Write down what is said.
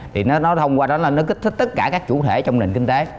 thì nó thông qua đó là nó kích thích tất cả các chủ thể trong nền kinh tế